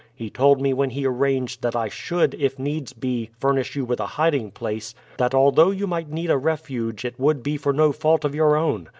He told me when he arranged that I should, if needs be, furnish you with a hiding place, that although you might need a refuge it would be for no fault of your own.